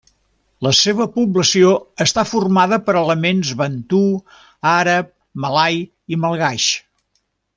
La seva població està formada per elements bantu, àrab, malai i malgaix.